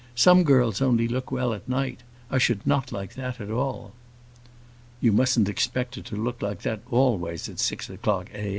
Some girls only look well at night. I should not like that at all." "You mustn't expect her to look like that always at six o'clock a.